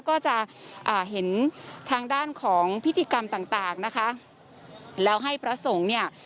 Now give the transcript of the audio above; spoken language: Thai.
ก็จะอ่าเห็นทางด้านของพิธีกรรมต่างต่างนะคะแล้วให้พระสงฆ์เนี่ย